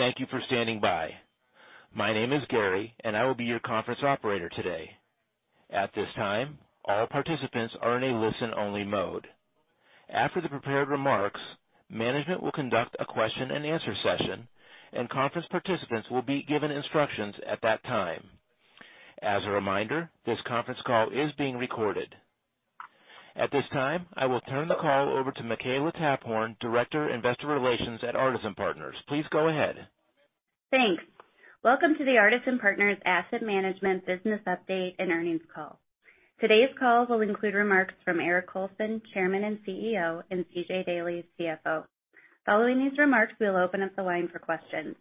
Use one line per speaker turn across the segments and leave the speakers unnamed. Hello. Thank you for standing by. My name is Gary. I will be your conference operator today. At this time, all participants are in a listen-only mode. After the prepared remarks, management will conduct a question and answer session. Conference participants will be given instructions at that time. As a reminder, this conference call is being recorded. At this time, I will turn the call over to Makela Taphorn, Director, Investor Relations at Artisan Partners. Please go ahead.
Thanks. Welcome to the Artisan Partners Asset Management business update and earnings call. Today's call will include remarks from Eric Colson, Chairman and CEO, and C.J. Daley, CFO. Following these remarks, we'll open up the line for questions.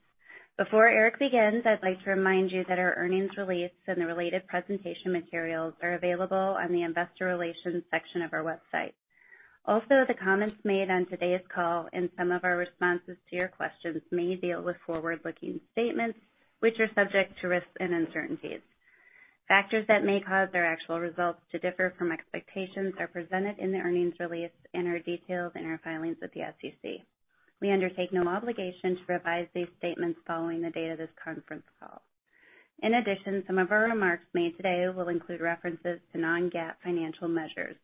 Before Eric begins, I'd like to remind you that our earnings release and the related presentation materials are available on the Investor Relations section of our website. The comments made on today's call and some of our responses to your questions may deal with forward-looking statements, which are subject to risks and uncertainties. Factors that may cause our actual results to differ from expectations are presented in the earnings release and are detailed in our filings with the SEC. We undertake no obligation to revise these statements following the date of this conference call. Some of our remarks made today will include references to non-GAAP financial measures.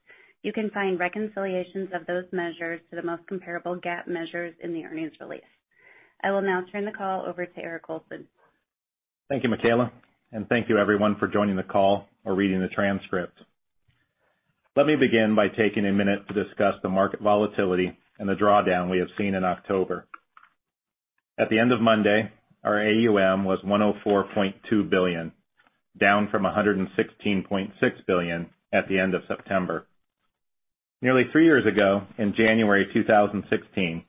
You can find reconciliations of those measures to the most comparable GAAP measures in the earnings release. I will now turn the call over to Eric Colson.
Thank you, Makela. Thank you everyone for joining the call or reading the transcript. Let me begin by taking a minute to discuss the market volatility and the drawdown we have seen in October. At the end of Monday, our AUM was $104.2 billion, down from $116.6 billion at the end of September. Nearly three years ago, in January 2016,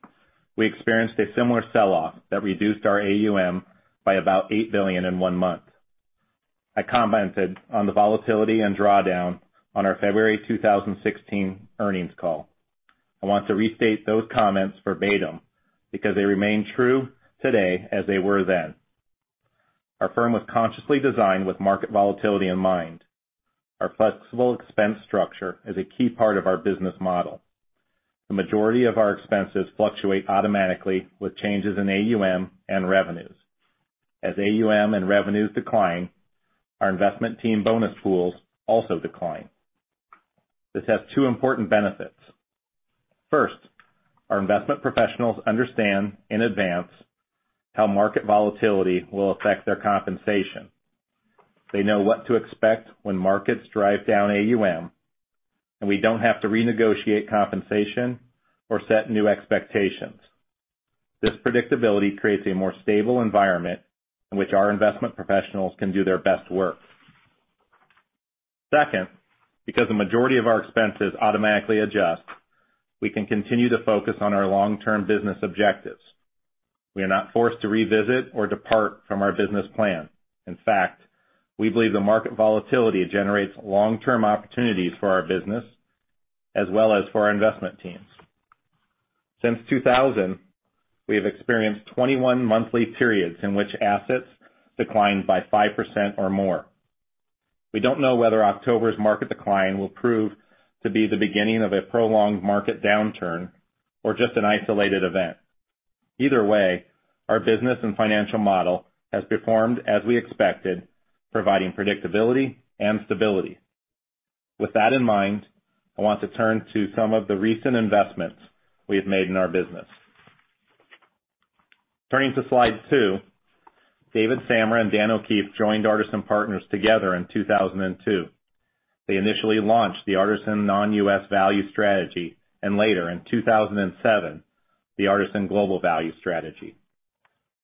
we experienced a similar sell-off that reduced our AUM by about $8 billion in one month. I commented on the volatility and drawdown on our February 2016 earnings call. I want to restate those comments verbatim because they remain true today as they were then. Our firm was consciously designed with market volatility in mind. Our flexible expense structure is a key part of our business model. The majority of our expenses fluctuate automatically with changes in AUM and revenues. As AUM and revenues decline, our investment team bonus pools also decline. This has two important benefits. First, our investment professionals understand in advance how market volatility will affect their compensation. They know what to expect when markets drive down AUM, and we don't have to renegotiate compensation or set new expectations. This predictability creates a more stable environment in which our investment professionals can do their best work. Second, because the majority of our expenses automatically adjust, we can continue to focus on our long-term business objectives. We are not forced to revisit or depart from our business plan. In fact, we believe the market volatility generates long-term opportunities for our business, as well as for our investment teams. Since 2000, we have experienced 21 monthly periods in which assets declined by 5% or more. We don't know whether October's market decline will prove to be the beginning of a prolonged market downturn or just an isolated event. Either way, our business and financial model has performed as we expected, providing predictability and stability. With that in mind, I want to turn to some of the recent investments we have made in our business. Turning to slide two, David Samra and Dan O'Keefe joined Artisan Partners together in 2002. They initially launched the Artisan Non-US Value strategy and later in 2007, the Artisan Global Value strategy.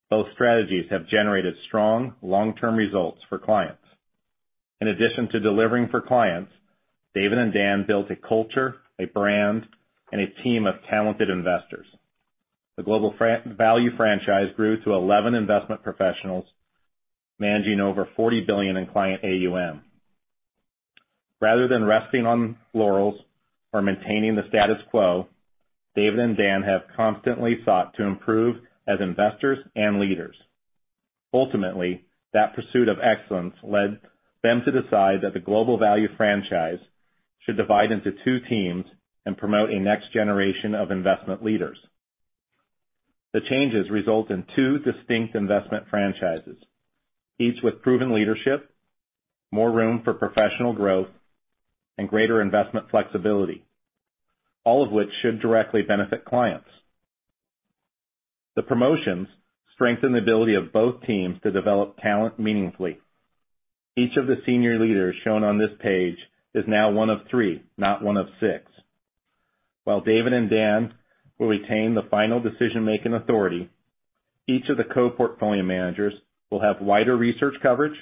Both strategies have generated strong, long-term results for clients. In addition to delivering for clients, David and Dan built a culture, a brand, and a team of talented investors. The Global Value franchise grew to 11 investment professionals managing over $40 billion in client AUM. Rather than resting on laurels or maintaining the status quo, David and Dan have constantly sought to improve as investors and leaders. Ultimately, that pursuit of excellence led them to decide that the Global Value franchise should divide into two teams and promote a next generation of investment leaders. The changes result in two distinct investment franchises, each with proven leadership, more room for professional growth, and greater investment flexibility, all of which should directly benefit clients. The promotions strengthen the ability of both teams to develop talent meaningfully. Each of the senior leaders shown on this page is now one of three, not one of six. While David and Dan will retain the final decision-making authority, each of the co-portfolio managers will have wider research coverage,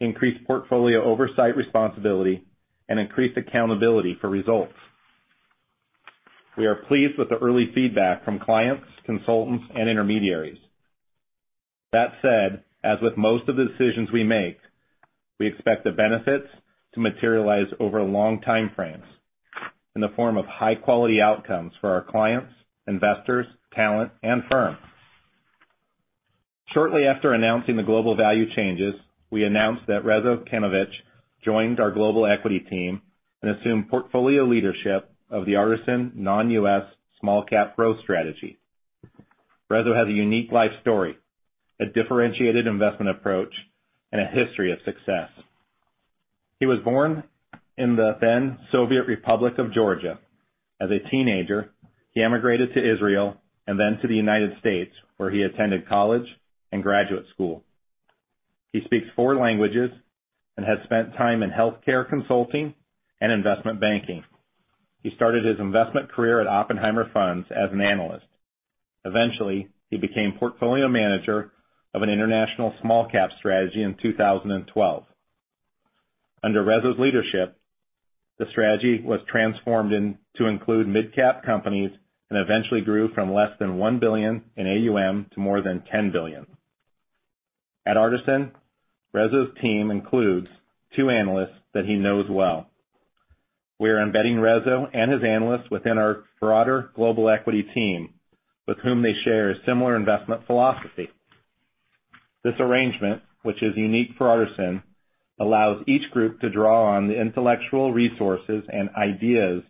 increased portfolio oversight responsibility, and increased accountability for results. We are pleased with the early feedback from clients, consultants, and intermediaries. That said, as with most of the decisions we make, we expect the benefits to materialize over long time frames in the form of high-quality outcomes for our clients, investors, talent, and firm. Shortly after announcing the Global Value changes, we announced that Rezo Kanovich joined our Global Equity team and assumed portfolio leadership of the Artisan Non-U.S. Small-Cap Growth strategy. Rezo has a unique life story, a differentiated investment approach, and a history of success. He was born in the then Soviet Republic of Georgia. As a teenager, he emigrated to Israel and then to the United States, where he attended college and graduate school. He speaks four languages and has spent time in healthcare consulting and investment banking. He started his investment career at OppenheimerFunds as an analyst. Eventually, he became portfolio manager of an international small cap strategy in 2012. Under Rezo's leadership, the strategy was transformed to include midcap companies and eventually grew from less than $1 billion in AUM to more than $10 billion. At Artisan, Rezo's team includes two analysts that he knows well. We are embedding Rezo and his analysts within our broader Global Equity Team, with whom they share a similar investment philosophy. This arrangement, which is unique for Artisan, allows each group to draw on the intellectual resources and ideas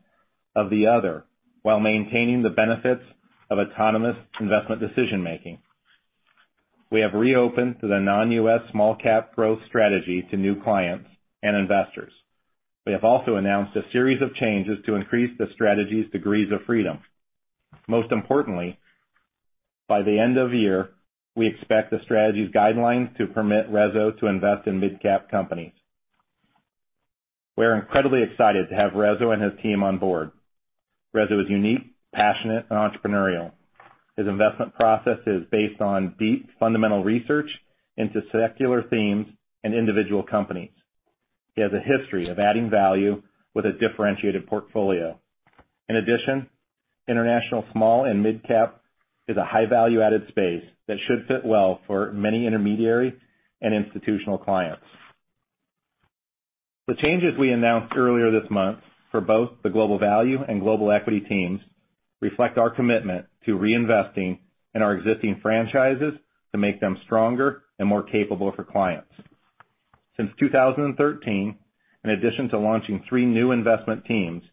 of the other while maintaining the benefits of autonomous investment decision-making. We have reopened the Non-U.S. Small-Cap Growth strategy to new clients and investors. We have also announced a series of changes to increase the strategy's degrees of freedom. Most importantly, by the end of the year, we expect the strategy's guidelines to permit Rezo to invest in midcap companies. We are incredibly excited to have Rezo and his team on board. Rezo is unique, passionate, and entrepreneurial. His investment process is based on deep fundamental research into secular themes and individual companies. He has a history of adding value with a differentiated portfolio. In addition, international small and midcap is a high value-added space that should fit well for many intermediary and institutional clients. The changes we announced earlier this month for both the Global Value and Global Equity Teams reflect our commitment to reinvesting in our existing franchises to make them stronger and more capable for clients. Since 2013, in addition to launching three new investment teams,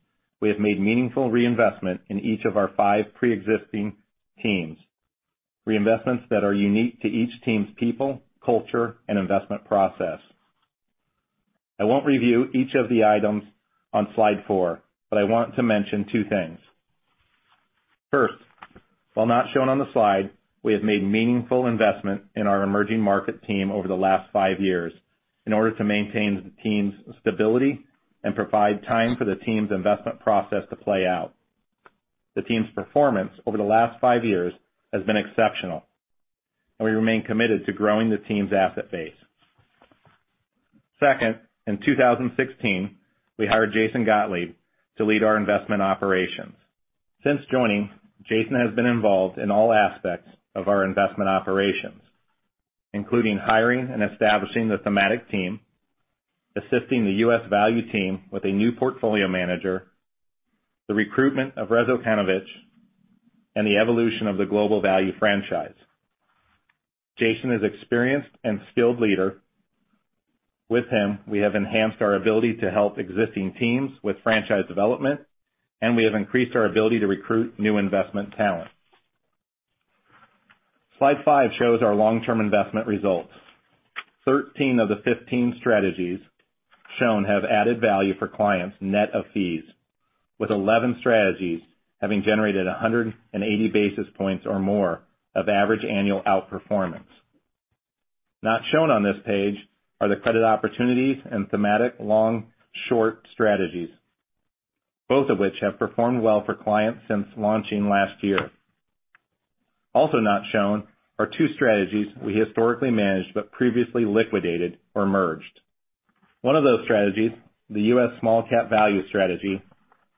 we have made meaningful reinvestment in each of our five preexisting teams, reinvestments that are unique to each team's people, culture, and investment process. I won't review each of the items on slide four, but I want to mention two things. First, while not shown on the slide, we have made meaningful investment in our emerging market team over the last five years in order to maintain the team's stability and provide time for the team's investment process to play out. The team's performance over the last five years has been exceptional, and we remain committed to growing the team's asset base. Second, in 2016, we hired Jason Gottlieb to lead our investment operations. Since joining, Jason has been involved in all aspects of our investment operations, including hiring and establishing the Thematic Team, assisting the U.S. Value Team with a new portfolio manager, the recruitment of Rezo Kanovich, and the evolution of the Global Value franchise. Jason is an experienced and skilled leader. With him, we have enhanced our ability to help existing teams with franchise development, and we have increased our ability to recruit new investment talent. Slide five shows our long-term investment results. Thirteen of the 15 strategies shown have added value for clients net of fees, with 11 strategies having generated 180 basis points or more of average annual outperformance. Not shown on this page are the Credit Opportunities and Thematic Long/Short strategies, both of which have performed well for clients since launching last year. Also not shown are two strategies we historically managed but previously liquidated or merged. One of those strategies, the U.S. Small-Cap Value strategy,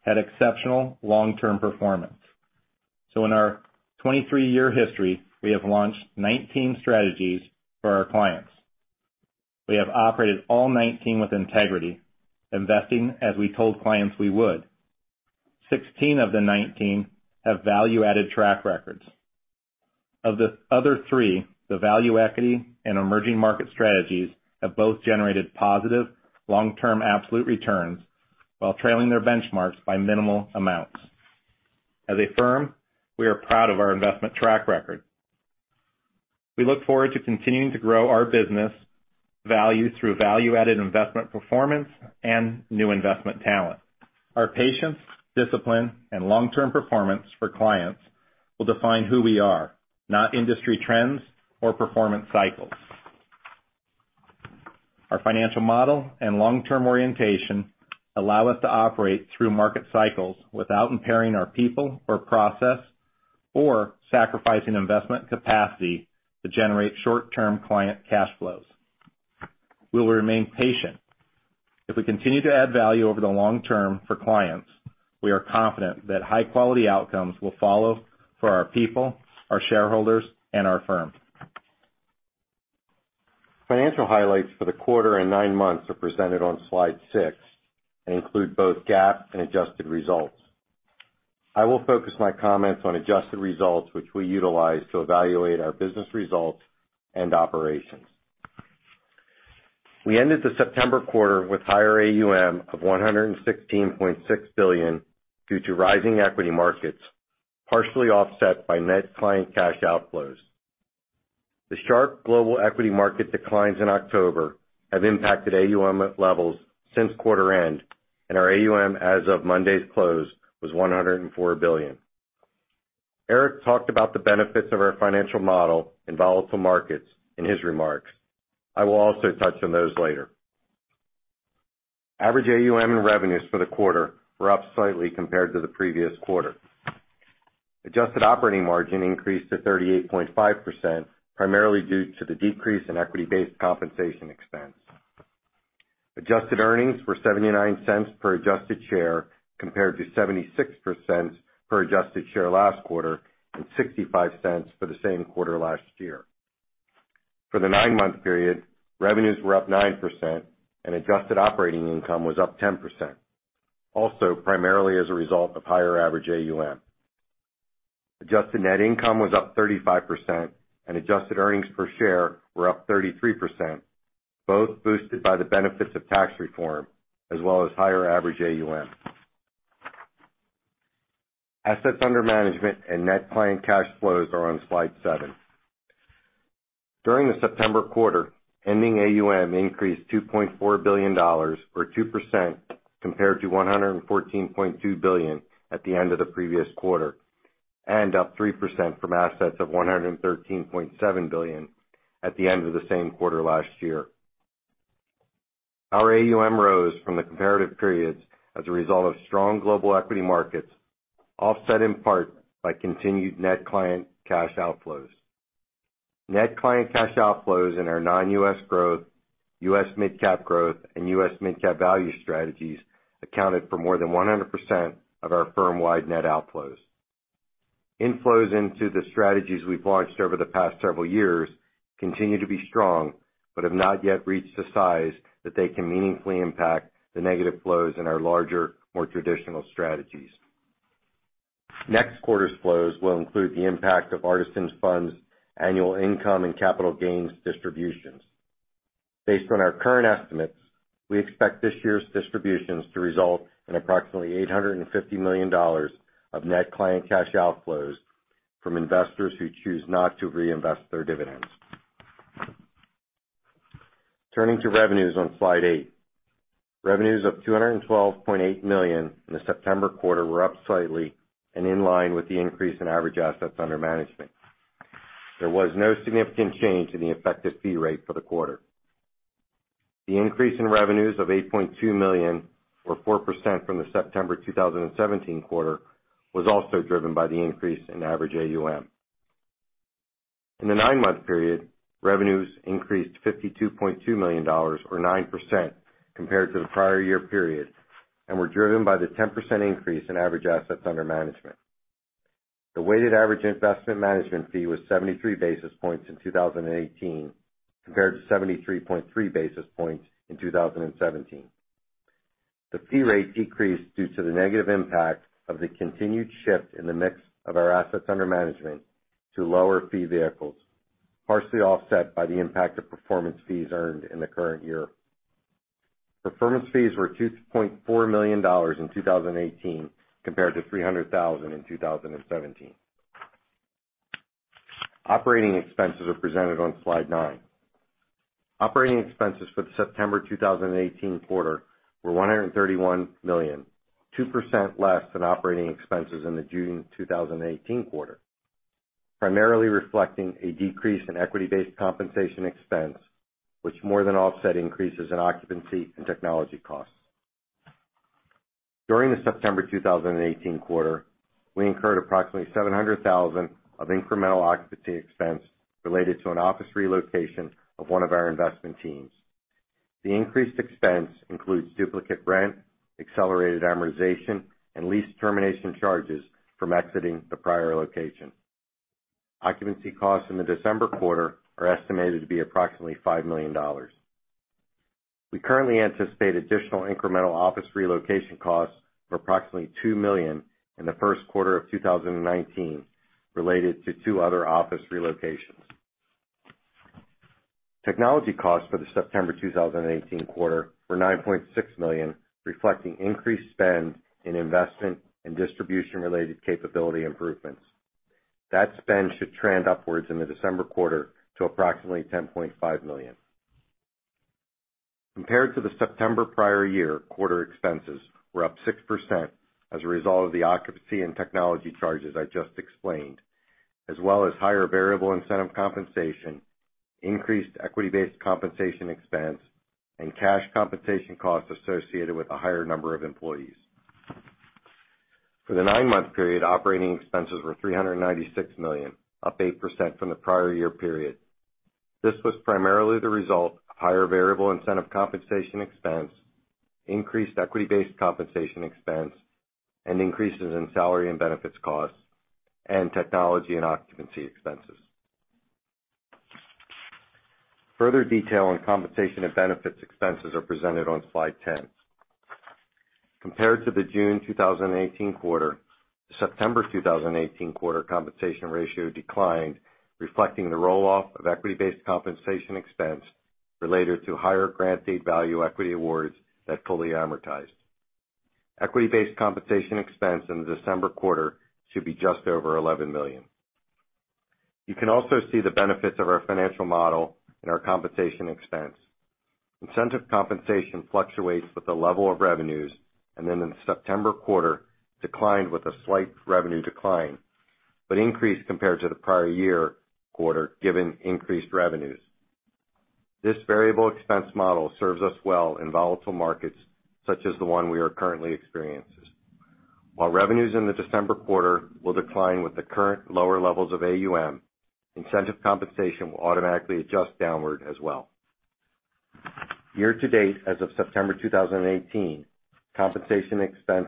had exceptional long-term performance. In our 23-year history, we have launched 19 strategies for our clients. We have operated all 19 with integrity, investing as we told clients we would. Sixteen of the 19 have value-added track records. Of the other three, the Value Equity and emerging market strategies have both generated positive long-term absolute returns while trailing their benchmarks by minimal amounts. As a firm, we are proud of our investment track record. We look forward to continuing to grow our business value through value-added investment performance and new investment talent. Our patience, discipline, and long-term performance for clients will define who we are, not industry trends or performance cycles. Our financial model and long-term orientation allow us to operate through market cycles without impairing our people or process or sacrificing investment capacity to generate short-term client cash flows. We will remain patient. If we continue to add value over the long term for clients, we are confident that high-quality outcomes will follow for our people, our shareholders, and our firm.
Financial highlights for the quarter and nine months are presented on slide six and include both GAAP and adjusted results. I will focus my comments on adjusted results, which we utilize to evaluate our business results and operations. We ended the September quarter with higher AUM of $116.6 billion due to rising equity markets, partially offset by net client cash outflows. The sharp global equity market declines in October have impacted AUM levels since quarter end, and our AUM as of Monday's close was $104 billion. Eric talked about the benefits of our financial model in volatile markets in his remarks. I will also touch on those later. Average AUM and revenues for the quarter were up slightly compared to the previous quarter. Adjusted operating margin increased to 38.5%, primarily due to the decrease in equity-based compensation expense. Adjusted earnings were $0.79 per adjusted share, compared to $0.76 per adjusted share last quarter and $0.65 for the same quarter last year. For the nine-month period, revenues were up 9% and adjusted operating income was up 10%, also primarily as a result of higher average AUM. Adjusted net income was up 35%, and adjusted earnings per share were up 33%, both boosted by the benefits of tax reform as well as higher average AUM. Assets under management and net client cash flows are on slide seven. During the September quarter, ending AUM increased $2.4 billion or 2% compared to $114.2 billion at the end of the previous quarter, and up 3% from assets of $113.7 billion at the end of the same quarter last year. Our AUM rose from the comparative periods as a result of strong global equity markets, offset in part by continued net client cash outflows. Net client cash outflows in our Non-U.S. Growth, U.S. Mid-Cap Growth, and U.S. Mid-Cap Value strategies accounted for more than 100% of our firm-wide net outflows. Inflows into the strategies we've launched over the past several years continue to be strong, but have not yet reached a size that they can meaningfully impact the negative flows in our larger, more traditional strategies. Next quarter's flows will include the impact of Artisan's funds annual income and capital gains distributions. Based on our current estimates, we expect this year's distributions to result in approximately $850 million of net client cash outflows from investors who choose not to reinvest their dividends. Turning to revenues on slide eight. Revenues of $212.8 million in the September quarter were up slightly and in line with the increase in average assets under management. There was no significant change in the effective fee rate for the quarter. The increase in revenues of $8.2 million, or 4% from the September 2017 quarter, was also driven by the increase in average AUM. In the nine-month period, revenues increased $52.2 million or 9% compared to the prior year period and were driven by the 10% increase in average assets under management. The weighted average investment management fee was 73 basis points in 2018 compared to 73.3 basis points in 2017. The fee rate decreased due to the negative impact of the continued shift in the mix of our assets under management to lower fee vehicles, partially offset by the impact of performance fees earned in the current year. Performance fees were $2.4 million in 2018 compared to $300,000 in 2017. Operating expenses are presented on slide nine. Operating expenses for the September 2018 quarter were $131 million, 2% less than operating expenses in the June 2018 quarter, primarily reflecting a decrease in equity-based compensation expense, which more than offset increases in occupancy and technology costs. During the September 2018 quarter, we incurred approximately $700,000 of incremental occupancy expense related to an office relocation of one of our investment teams. The increased expense includes duplicate rent, accelerated amortization, and lease termination charges from exiting the prior location. Occupancy costs in the December quarter are estimated to be approximately $5 million. We currently anticipate additional incremental office relocation costs of approximately $2 million in the first quarter of 2019 related to two other office relocations. Technology costs for the September 2018 quarter were $9.6 million, reflecting increased spend in investment and distribution-related capability improvements. That spend should trend upwards in the December quarter to approximately $10.5 million. Compared to the September prior year quarter, expenses were up 6% as a result of the occupancy and technology charges I just explained, as well as higher variable incentive compensation, increased equity-based compensation expense, and cash compensation costs associated with a higher number of employees. For the nine-month period, operating expenses were $396 million, up 8% from the prior year period. This was primarily the result of higher variable incentive compensation expense, increased equity-based compensation expense, and increases in salary and benefits costs. Technology and occupancy expenses. Further detail on compensation and benefits expenses are presented on slide 10. Compared to the June 2018 quarter, the September 2018 quarter compensation ratio declined, reflecting the roll-off of equity-based compensation expense related to higher grant date value equity awards that fully amortized. Equity-based compensation expense in the December quarter should be just over $11 million. You can also see the benefits of our financial model in our compensation expense. Incentive compensation fluctuates with the level of revenues, and then in the September quarter, declined with a slight revenue decline, but increased compared to the prior year quarter, given increased revenues. This variable expense model serves us well in volatile markets such as the one we are currently experiencing. While revenues in the December quarter will decline with the current lower levels of AUM, incentive compensation will automatically adjust downward as well. Year to date, as of September 2018, compensation expense,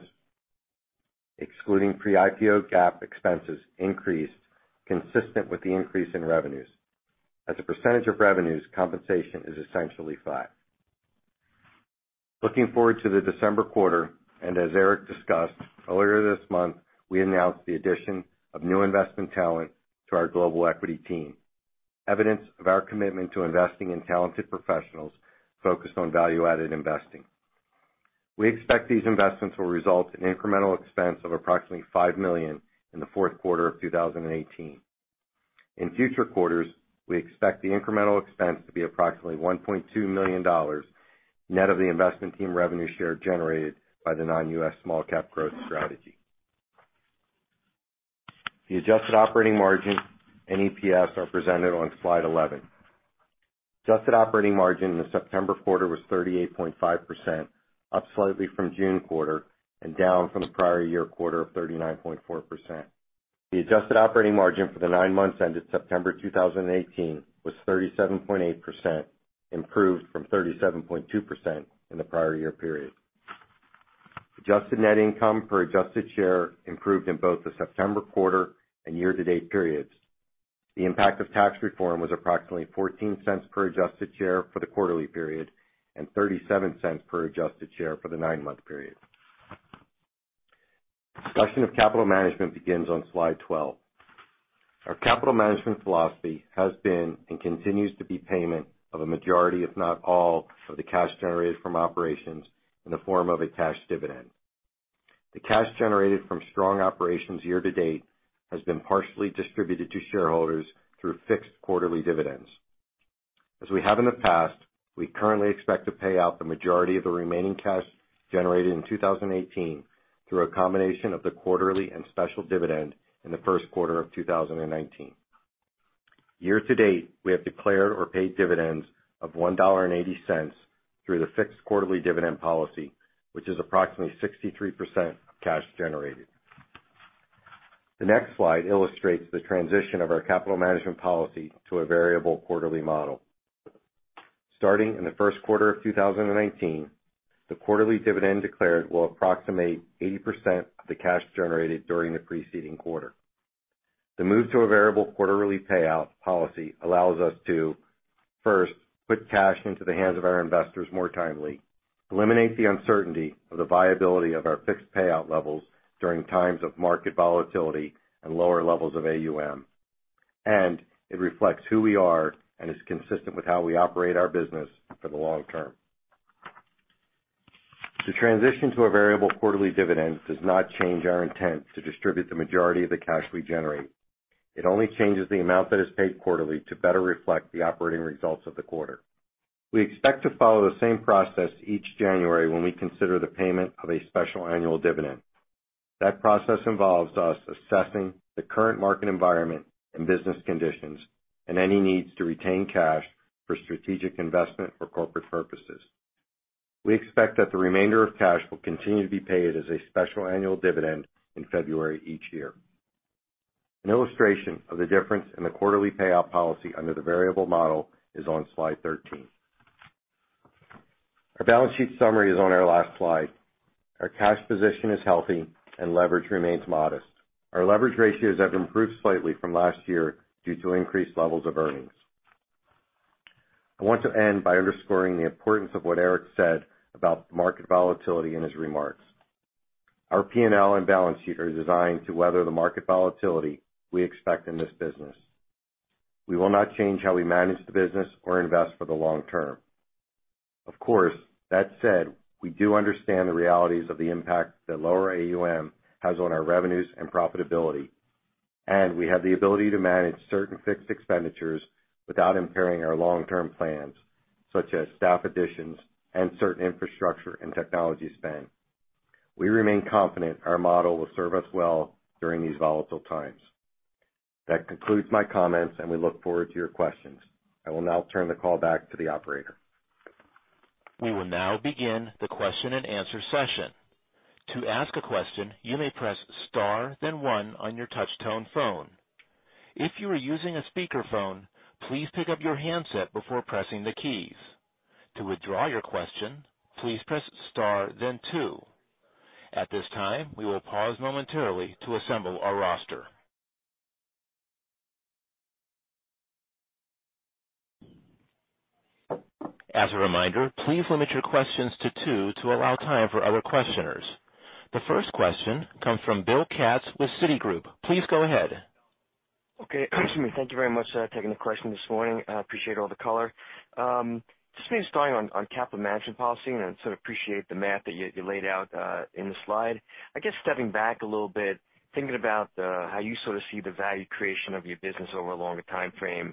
excluding pre-IPO GAAP expenses, increased, consistent with the increase in revenues. As a percentage of revenues, compensation is essentially flat. Looking forward to the December quarter, as Eric discussed, earlier this month, we announced the addition of new investment talent to our Global Equity team, evidence of our commitment to investing in talented professionals focused on value-added investing. We expect these investments will result in incremental expense of approximately $5 million in the fourth quarter of 2018. In future quarters, we expect the incremental expense to be approximately $1.2 million, net of the investment team revenue share generated by the Non-U.S. Small-Cap Growth strategy. The adjusted operating margin and EPS are presented on slide 11. Adjusted operating margin in the September quarter was 38.5%, up slightly from June quarter, and down from the prior year quarter of 39.4%. The adjusted operating margin for the nine months ended September 2018 was 37.8%, improved from 37.2% in the prior year period. Adjusted net income per adjusted share improved in both the September quarter and year to date periods. The impact of tax reform was approximately $0.14 per adjusted share for the quarterly period, and $0.37 per adjusted share for the nine-month period. Discussion of capital management begins on slide 12. Our capital management philosophy has been, and continues to be, payment of a majority, if not all, of the cash generated from operations in the form of a cash dividend. The cash generated from strong operations year to date has been partially distributed to shareholders through fixed quarterly dividends. As we have in the past, we currently expect to pay out the majority of the remaining cash generated in 2018 through a combination of the quarterly and special dividend in the first quarter of 2019. Year to date, we have declared or paid dividends of $1.80 through the fixed quarterly dividend policy, which is approximately 63% of cash generated. The next slide illustrates the transition of our capital management policy to a variable quarterly model. Starting in the first quarter of 2019, the quarterly dividend declared will approximate 80% of the cash generated during the preceding quarter. The move to a variable quarterly payout policy allows us to, first, put cash into the hands of our investors more timely, eliminate the uncertainty of the viability of our fixed payout levels during times of market volatility and lower levels of AUM, it reflects who we are and is consistent with how we operate our business for the long term. The transition to a variable quarterly dividend does not change our intent to distribute the majority of the cash we generate. It only changes the amount that is paid quarterly to better reflect the operating results of the quarter. We expect to follow the same process each January when we consider the payment of a special annual dividend. That process involves us assessing the current market environment and business conditions and any needs to retain cash for strategic investment or corporate purposes. We expect that the remainder of cash will continue to be paid as a special annual dividend in February each year. An illustration of the difference in the quarterly payout policy under the variable model is on slide 13. Our balance sheet summary is on our last slide. Our cash position is healthy and leverage remains modest. Our leverage ratios have improved slightly from last year due to increased levels of earnings. I want to end by underscoring the importance of what Eric said about market volatility in his remarks. Our P&L and balance sheet are designed to weather the market volatility we expect in this business. We will not change how we manage the business or invest for the long term. Of course, that said, we do understand the realities of the impact that lower AUM has on our revenues and profitability, and we have the ability to manage certain fixed expenditures without impairing our long-term plans, such as staff additions and certain infrastructure and technology spend. We remain confident our model will serve us well during these volatile times. That concludes my comments, and we look forward to your questions. I will now turn the call back to the operator.
We will now begin the question and answer session. To ask a question, you may press star then one on your touch tone phone. If you are using a speakerphone, please pick up your handset before pressing the keys. To withdraw your question, please press star then two. At this time, we will pause momentarily to assemble our roster. As a reminder, please limit your questions to two to allow time for other questioners. The first question comes from Bill Katz with Citigroup. Please go ahead.
Okay. Thank you very much. Taking the question this morning. I appreciate all the color. Just maybe starting on capital management policy, and sort of appreciate the math that you laid out in the slide. I guess stepping back a little bit, thinking about how you sort of see the value creation of your business over a longer timeframe,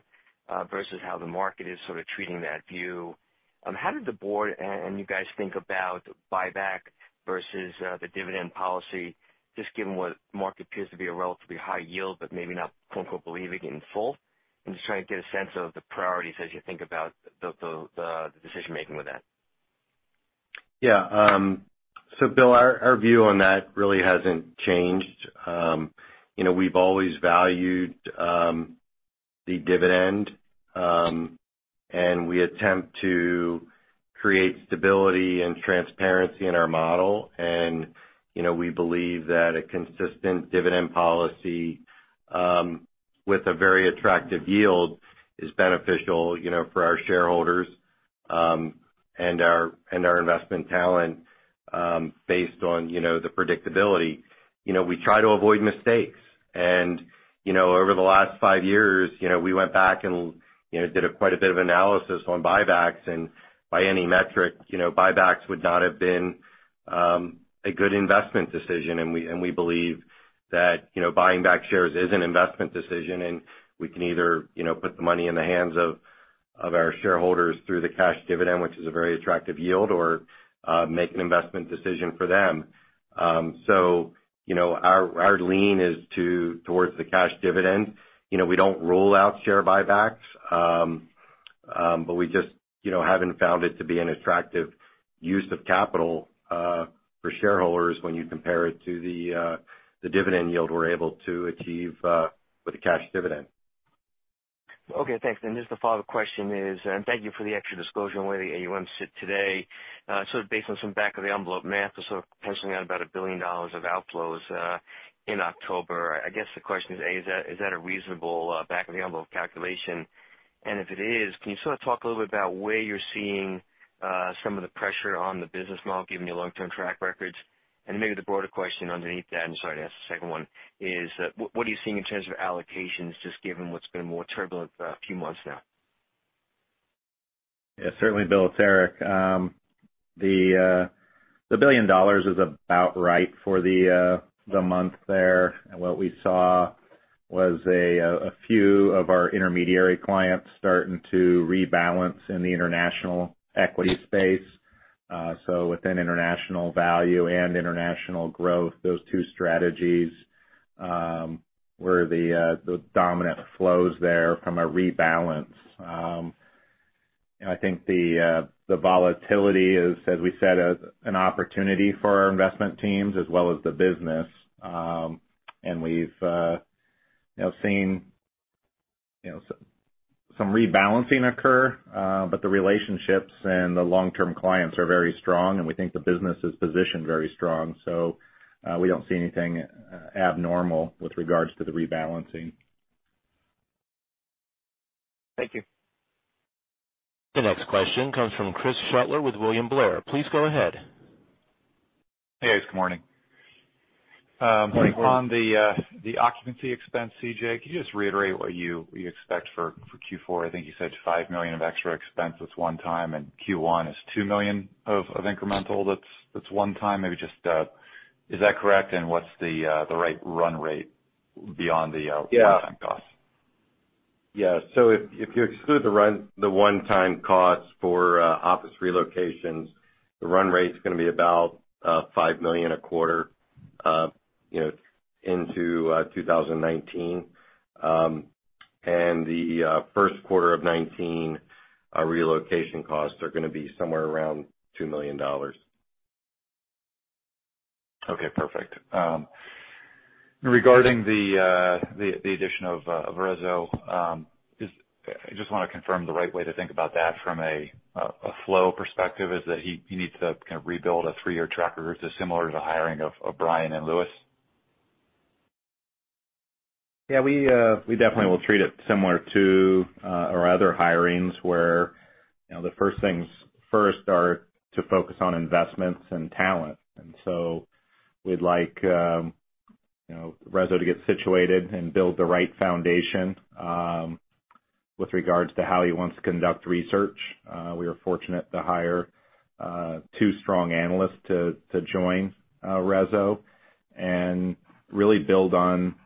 versus how the market is sort of treating that view. How did the board and you guys think about buyback versus the dividend policy, just given what market appears to be a relatively high yield, but maybe not quote-unquote, believing in full. I'm just trying to get a sense of the priorities as you think about the decision-making with that.
Yeah. Bill, our view on that really hasn't changed. We've always valued the dividend, and we attempt to create stability and transparency in our model. We believe that a consistent dividend policy, with a very attractive yield is beneficial for our shareholders, and our investment talent, based on the predictability. We try to avoid mistakes. Over the last five years, we went back and did quite a bit of analysis on buybacks. By any metric, buybacks would not have been a good investment decision. We believe that buying back shares is an investment decision. We can either put the money in the hands of our shareholders through the cash dividend, which is a very attractive yield, or make an investment decision for them. Our lean is towards the cash dividend. We don't rule out share buybacks. We just haven't found it to be an attractive use of capital for shareholders when you compare it to the dividend yield we're able to achieve with the cash dividend.
Okay. Thanks. Just the follow-up question is, thank you for the extra disclosure on where the AUM sit today. Sort of based on some back of the envelope math, we're sort of pricing out about $1 billion of outflows in October. I guess the question is A, is that a reasonable back of the envelope calculation? If it is, can you sort of talk a little bit about where you're seeing some of the pressure on the business model, given your long-term track records? Maybe the broader question underneath that, I'm sorry to ask the second one, is what are you seeing in terms of allocations, just given what's been more turbulent a few months now?
Yeah, certainly, Bill. It's Eric. The $1 billion is about right for the month there. What we saw was a few of our intermediary clients starting to rebalance in the international equity space. Within International Value and International Growth, those two strategies were the dominant flows there from a rebalance. I think the volatility is, as we said, an opportunity for our investment teams as well as the business. We've seen some rebalancing occur. The relationships and the long-term clients are very strong, and we think the business is positioned very strong. We don't see anything abnormal with regards to the rebalancing.
Thank you.
The next question comes from Chris Shutler with William Blair. Please go ahead.
Hey, guys. Good morning.
Morning, Chris.
On the occupancy expense, C.J., could you just reiterate what you expect for Q4? I think you said $5 million of extra expense that's one time, and Q1 is $2 million of incremental that's one time. Is that correct?
Yeah
And what's the run rate beyond the one-time cost?
If you exclude the one-time cost for office relocations, the run rate's gonna be about $5 million a quarter into 2019. The first quarter of 2019 relocation costs are going to be somewhere around $2 million.
Okay, perfect. Regarding the addition of Rezo, I just want to confirm the right way to think about that from a flow perspective is that he needs to kind of rebuild a three-year track record similar to the hiring of Brian and Lewis?
We definitely will treat it similar to our other hirings where the first things first are to focus on investments and talent. We'd like Rezo to get situated and build the right foundation with regards to how he wants to conduct research. We are fortunate to hire two strong analysts to join Rezo and really build on the team,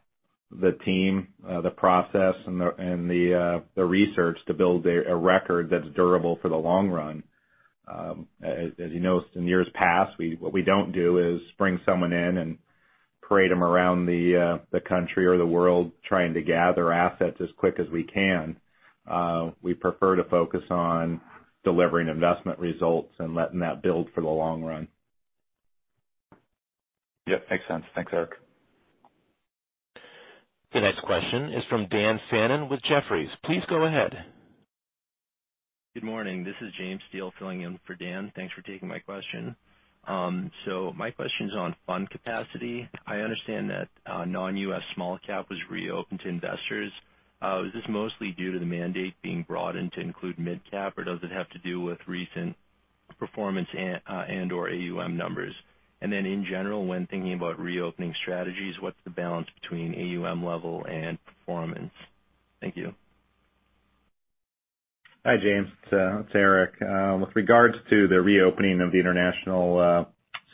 the process, and the research to build a record that's durable for the long run. As you know, in years past, what we don't do is bring someone in and parade them around the country or the world trying to gather assets as quick as we can. We prefer to focus on delivering investment results and letting that build for the long run.
Yep, makes sense. Thanks, Eric.
The next question is from Dan Fannon with Jefferies. Please go ahead.
Good morning. This is James Steele filling in for Dan. Thanks for taking my question. My question's on fund capacity. I understand that Non-U.S. Small-Cap was reopened to investors. Is this mostly due to the mandate being broadened to include mid cap, or does it have to do with recent performance and/or AUM numbers? In general, when thinking about reopening strategies, what's the balance between AUM level and performance? Thank you.
Hi, James. It's Eric. With regards to the reopening of the international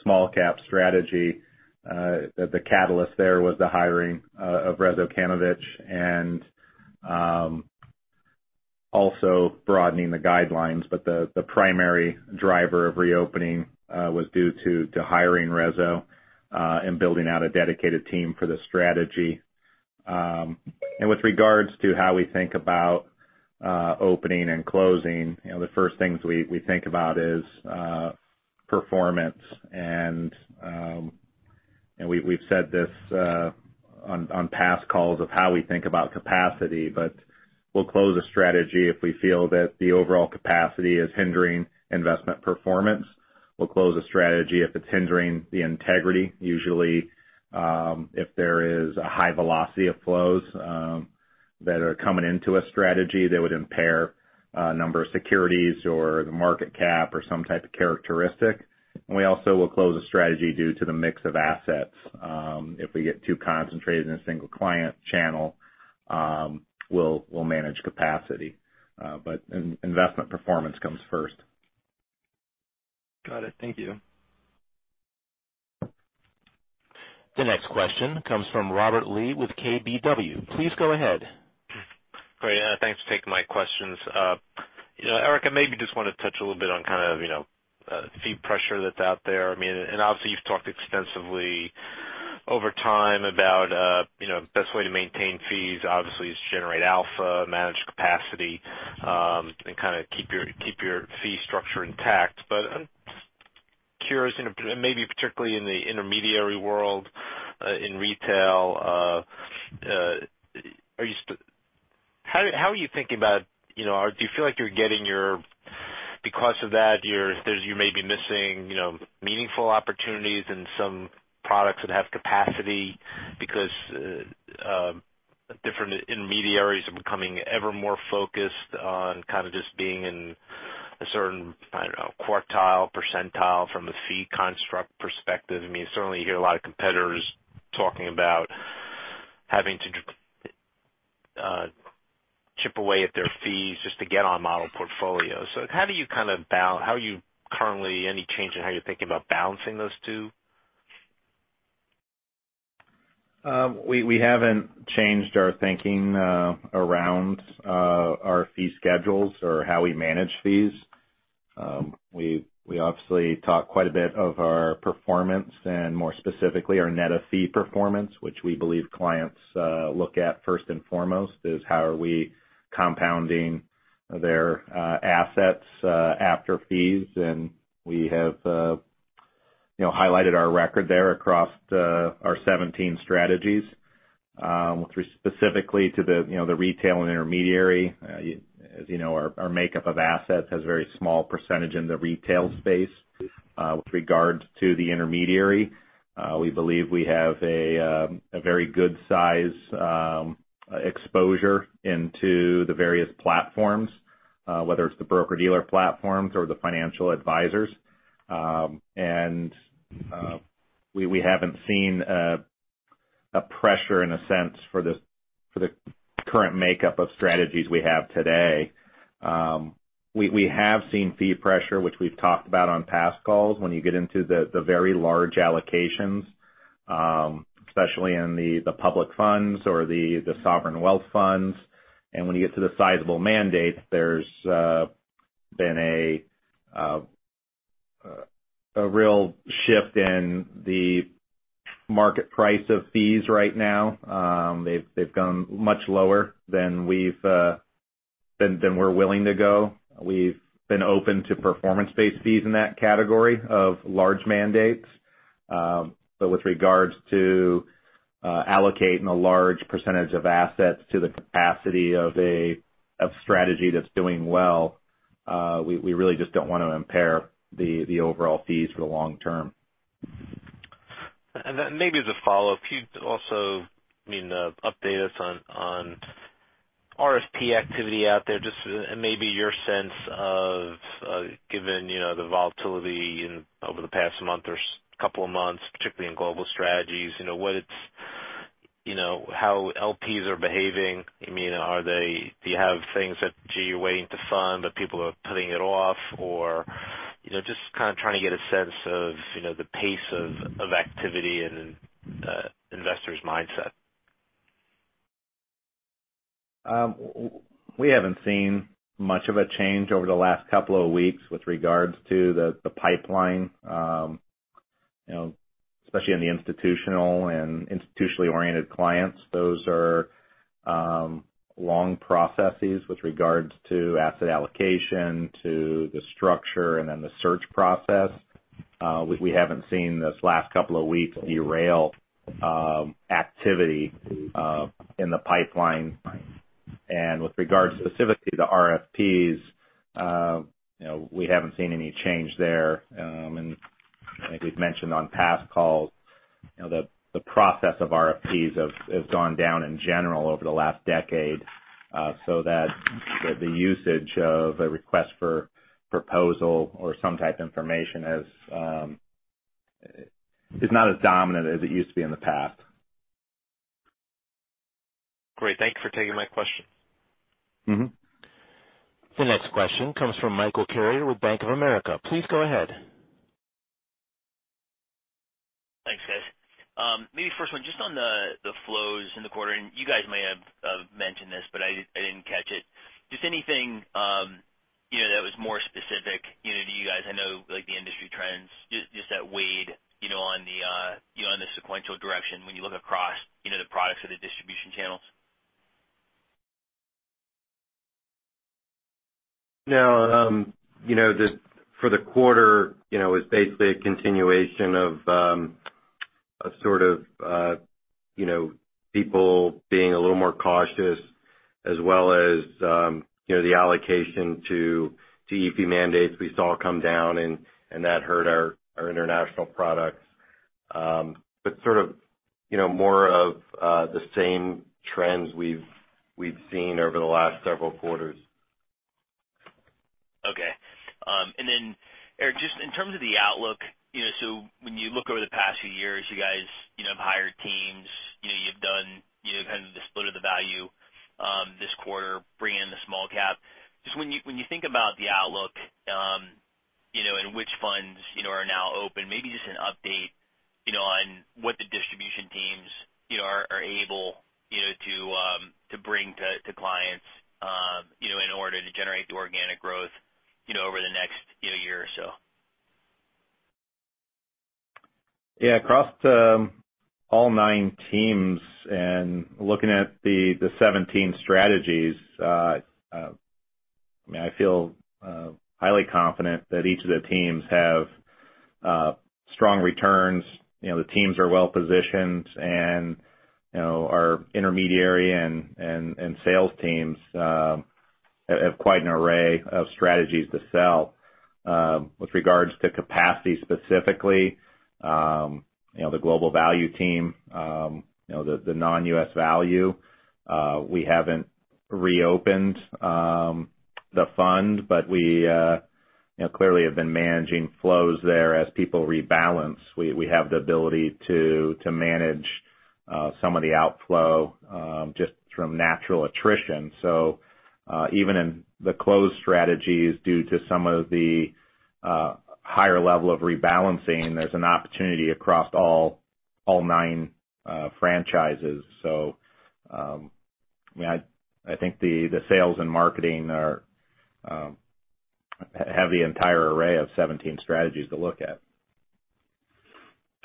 small cap strategy, the catalyst there was the hiring of Rezo Kanovich and also broadening the guidelines. The primary driver of reopening was due to hiring Rez and building out a dedicated team for the strategy. With regards to how we think about opening and closing, the first things we think about is performance. We've said this on past calls of how we think about capacity, but we'll close a strategy if we feel that the overall capacity is hindering investment performance. We'll close a strategy if it's hindering the integrity. Usually, if there is a high velocity of flows that are coming into a strategy that would impair a number of securities or the market cap or some type of characteristic. We also will close a strategy due to the mix of assets. If we get too concentrated in a single client channel, we'll manage capacity. Investment performance comes first.
Got it. Thank you.
The next question comes from Robert Lee with KBW. Please go ahead.
Great. Thanks for taking my questions. Eric, I maybe just want to touch a little bit on fee pressure that's out there. Obviously, you've talked extensively over time about best way to maintain fees, obviously, is generate alpha, manage capacity, and keep your fee structure intact. I'm curious, maybe particularly in the intermediary world, in retail, how are you thinking about? Because of that, you may be missing meaningful opportunities in some products that have capacity because different intermediaries are becoming ever more focused on just being in a certain quartile, percentile from a fee construct perspective. Certainly, you hear a lot of competitors talking about having to chip away at their fees just to get on model portfolios. How are you currently, any change in how you're thinking about balancing those two?
We haven't changed our thinking around our fee schedules or how we manage fees. We obviously talk quite a bit of our performance and more specifically, our net of fee performance, which we believe clients look at first and foremost, is how are we compounding their assets after fees. We have highlighted our record there across our 17 strategies. Specifically to the retail and intermediary, as you know, our makeup of assets has a very small percentage in the retail space. With regards to the intermediary, we believe we have a very good size exposure into the various platforms, whether it's the broker-dealer platforms or the financial advisors. We haven't seen a pressure in a sense for the current makeup of strategies we have today. We have seen fee pressure, which we've talked about on past calls. When you get into the very large allocations, especially in the public funds or the sovereign wealth funds. When you get to the sizable mandates, there's been a real shift in the market price of fees right now. They've gone much lower than we're willing to go. We've been open to performance-based fees in that category of large mandates. With regards to allocating a large percentage of assets to the capacity of a strategy that's doing well, we really just don't want to impair the overall fees for the long term.
Then maybe as a follow-up, could you also update us on RFP activity out there, and maybe your sense of, given the volatility over the past month or couple of months, particularly in global strategies, how LPs are behaving. Do you have things that you're waiting to fund, but people are putting it off? Just trying to get a sense of the pace of activity and investors' mindset.
We haven't seen much of a change over the last couple of weeks with regards to the pipeline. Especially in the institutional and institutionally-oriented clients. Those are long processes with regards to asset allocation, to the structure, then the search process. We haven't seen this last couple of weeks derail activity in the pipeline. With regard specifically to RFPs, we haven't seen any change there. I think we've mentioned on past calls, the process of RFPs has gone down in general over the last decade, so that the usage of a request for proposal or some type of information is not as dominant as it used to be in the past.
Great. Thank you for taking my question.
The next question comes from Michael Carrier with Bank of America. Please go ahead.
Thanks, guys. Maybe first one, just on the flows in the quarter, and you guys may have mentioned this, but I didn't catch it. Just anything that was more specific to you guys. I know the industry trends. Just that weighed on the sequential direction when you look across the products or the distribution channels.
No. For the quarter, it was basically a continuation of people being a little more cautious as well as the allocation to ETF mandates we saw come down, and that hurt our international products. More of the same trends we've seen over the last several quarters.
Okay. Eric Colson, just in terms of the outlook, when you look over the past few years, you guys have hired teams. You've done the split of the value this quarter, bringing in the small cap. Just when you think about the outlook, which funds are now open, maybe just an update on what the distribution teams are able to bring to clients in order to generate the organic growth over the next year or so.
Yeah. Across all nine teams, looking at the 17 strategies, I feel highly confident that each of the teams have strong returns. The teams are well-positioned, our intermediary and sales teams have quite an array of strategies to sell. With regards to capacity specifically, the Global Value team, the non-U.S. value, we haven't reopened the fund. We clearly have been managing flows there as people rebalance. We have the ability to manage some of the outflow just from natural attrition. Even in the closed strategies, due to some of the higher level of rebalancing, there's an opportunity across all nine franchises. I think the sales and marketing have the entire array of 17 strategies to look at.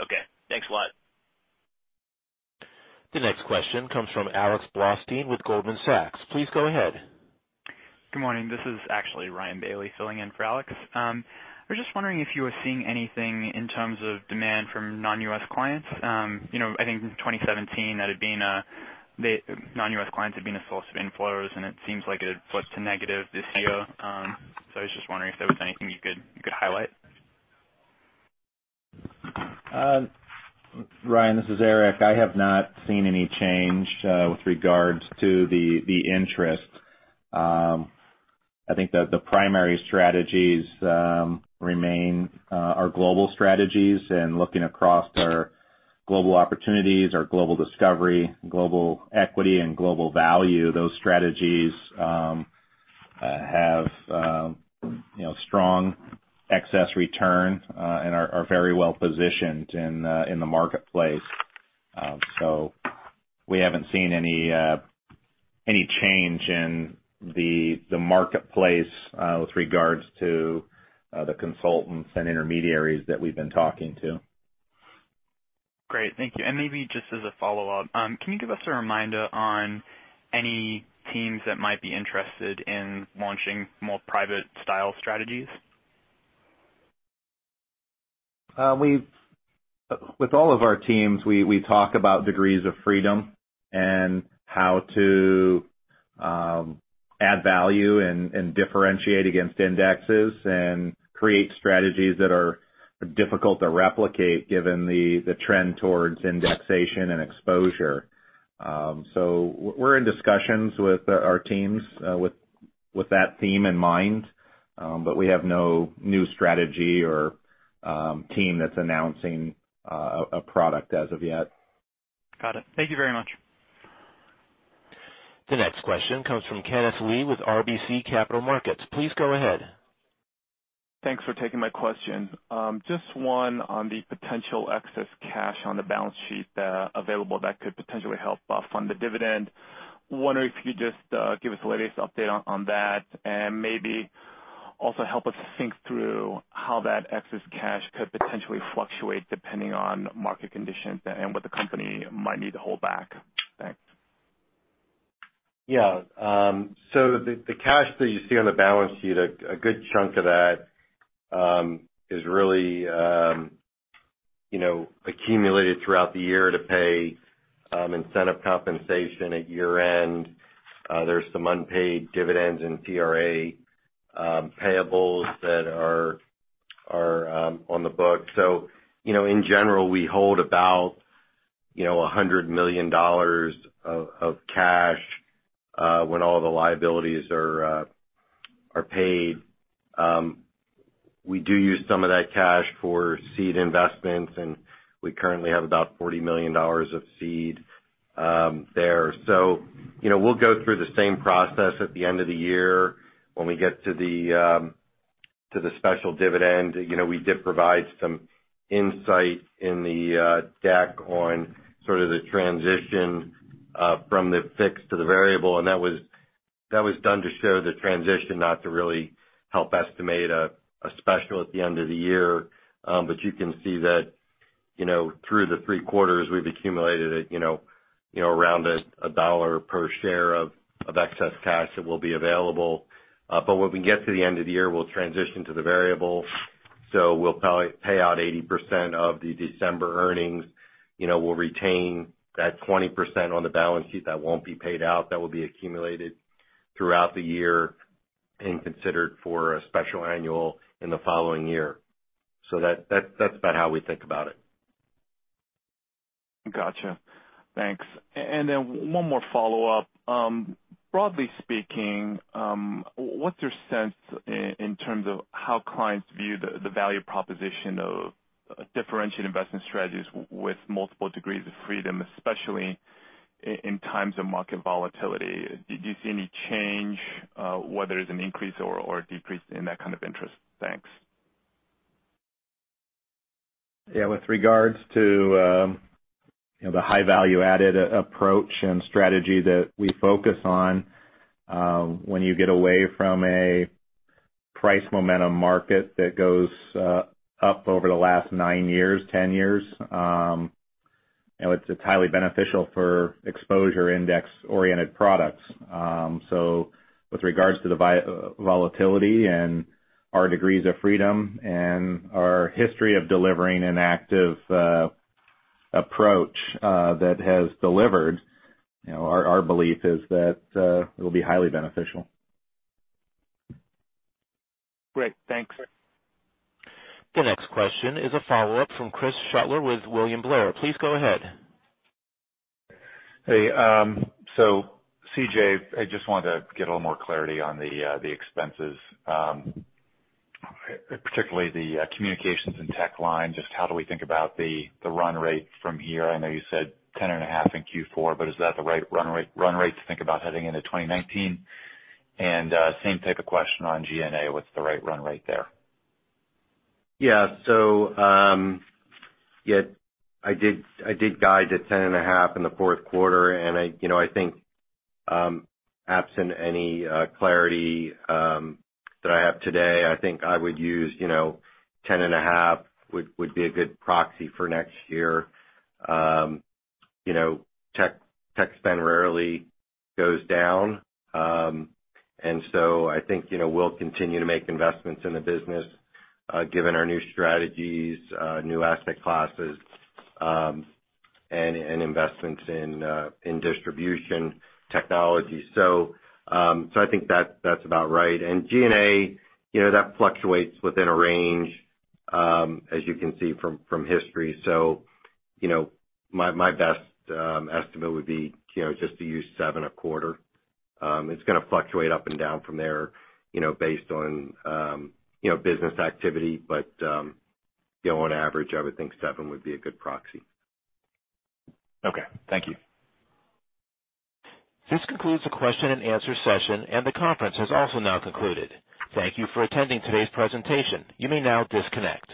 Okay. Thanks a lot.
The next question comes from Alex Blostein with Goldman Sachs. Please go ahead.
Good morning. This is actually Ryan Bailey filling in for Alex. I was just wondering if you were seeing anything in terms of demand from non-U.S. clients. I think in 2017, non-U.S. clients had been a source of inflows, and it seems like it flipped to negative this year. I was just wondering if there was anything you could highlight.
Ryan, this is Eric. I have not seen any change with regards to the interest. I think that the primary strategies remain our global strategies. Looking across our Global Opportunities, our Global Discovery, Global Equity, and Global Value, those strategies have strong excess return and are very well-positioned in the marketplace. We haven't seen any change in the marketplace with regards to the consultants and intermediaries that we've been talking to.
Great. Thank you. Maybe just as a follow-up, can you give us a reminder on any teams that might be interested in launching more private style strategies?
With all of our teams, we talk about degrees of freedom and how to add value and differentiate against indexes and create strategies that are difficult to replicate given the trend towards indexation and exposure. We're in discussions with our teams with that theme in mind. We have no new strategy or team that's announcing a product as of yet.
Got it. Thank you very much.
The next question comes from Kenneth Lee with RBC Capital Markets. Please go ahead.
Thanks for taking my question. Just one on the potential excess cash on the balance sheet available that could potentially help fund the dividend. Wondering if you could just give us the latest update on that and maybe also help us think through how that excess cash could potentially fluctuate depending on market conditions and what the company might need to hold back. Thanks.
Yeah. The cash that you see on the balance sheet, a good chunk of that is really accumulated throughout the year to pay incentive compensation at year-end. There's some unpaid dividends and TRA payables that are on the book. In general, we hold about $100 million of cash when all the liabilities are paid. We do use some of that cash for seed investments, and we currently have about $40 million of seed there. We'll go through the same process at the end of the year when we get to the special dividend. We did provide some insight in the deck on sort of the transition from the fixed to the variable, and that was done to show the transition, not to really help estimate a special at the end of the year. You can see that through the three quarters, we've accumulated around $1 per share of excess cash that will be available. When we get to the end of the year, we'll transition to the variable, we'll probably pay out 80% of the December earnings. We'll retain that 20% on the balance sheet that won't be paid out, that will be accumulated throughout the year and considered for a special annual in the following year. That's about how we think about it.
Got you. Thanks. One more follow-up. Broadly speaking, what's your sense in terms of how clients view the value proposition of differentiated investment strategies with multiple degrees of freedom, especially in times of market volatility? Do you see any change, whether it's an increase or a decrease in that kind of interest? Thanks.
With regards to the high value-added approach and strategy that we focus on, when you get away from a price momentum market that goes up over the last nine years, 10 years, it's highly beneficial for exposure index-oriented products. With regards to the volatility and our degrees of freedom and our history of delivering an active approach that has delivered, our belief is that it'll be highly beneficial.
Great, thanks.
The next question is a follow-up from Chris Shutler with William Blair. Please go ahead.
Hey, CJ, I just wanted to get a little more clarity on the expenses, particularly the communications and tech line. Just how do we think about the run rate from here? I know you said 10 and a half in Q4, but is that the right run rate to think about heading into 2019? Same type of question on G&A, what's the right run rate there?
Yeah. I did guide at 10 and a half in the fourth quarter, and I think absent any clarity that I have today, I think I would use 10 and a half would be a good proxy for next year. Tech spend rarely goes down. I think we'll continue to make investments in the business, given our new strategies, new asset classes, and investments in distribution technology. I think that's about right. G&A, that fluctuates within a range, as you can see from history. My best estimate would be just to use $7 a quarter. It's going to fluctuate up and down from there based on business activity. On average, I would think $7 would be a good proxy.
Okay. Thank you.
This concludes the question and answer session, and the conference has also now concluded. Thank you for attending today's presentation. You may now disconnect.